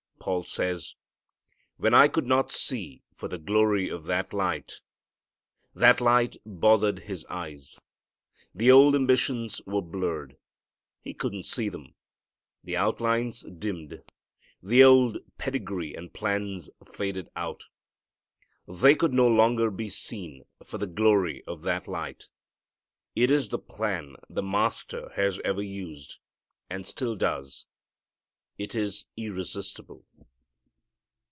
Paul says, "When I could not see for the glory of that light." That light bothered his eyes. The old ambitions were blurred. He couldn't see them. The outlines dimmed, the old pedigree and plans faded out. They could no longer be seen for the glory of that light. It is the plan the Master has ever used, and still does. It is irresistible.